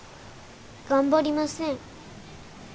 頑張りません。